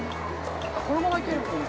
このままいける。